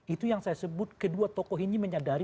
itu yang saya sebut kedua tokoh ini menyadari